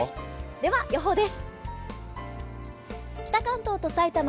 では予報です。